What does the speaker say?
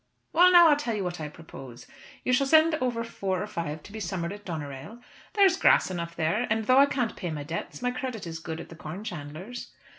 "Well, now I'll tell you what I propose. You shall send over four or five to be summered at Doneraile. There is grass enough there, and though I can't pay my debts, my credit is good at the corn chandler's."